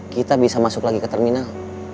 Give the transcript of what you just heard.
kita bisa masuk lagi ke terminal